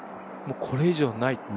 これ以上ない。